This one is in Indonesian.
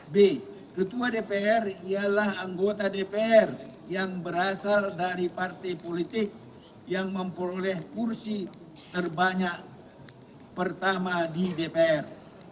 b ketua dpr ialah anggota dpr yang berasal dari partai politik yang memperoleh kursi terbanyak pertama di dpr